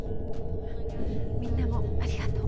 みんなもありがとう。